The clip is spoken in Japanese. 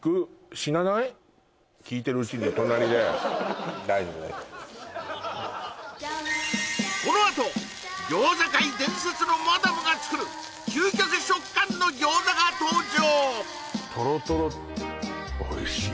聞いてるうちに隣でこのあと餃子界伝説のマダムが作る究極食感の餃子が登場！